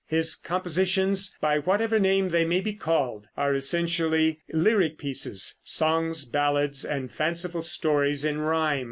His compositions, by whatever name they may be called, are essentially lyric pieces, songs, ballads and fanciful stories in rhyme.